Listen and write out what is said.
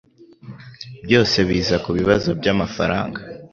Byose biza kubibazo byamafaranga.